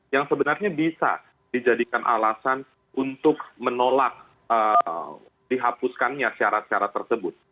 yang sebenarnya bisa dijadikan alasan untuk menolak dihapuskannya syarat syarat tersebut